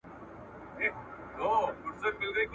کوي او سوکاله وي